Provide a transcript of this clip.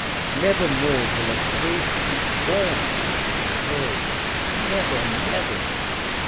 "Nevermore will a face be born that is like hers. Never, never!